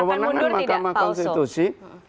kewenangan mahkamah konstitusi